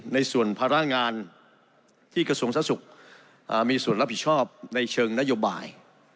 ในส่วนภาระงานที่กระทรวงสาธารสุขมีส่วนรับผิดชอบในเชิงนโยบาย